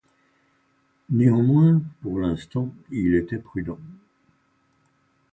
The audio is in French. Néanmoins, pour l’instant, il était prudent.